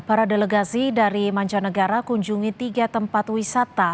para delegasi dari mancanegara kunjungi tiga tempat wisata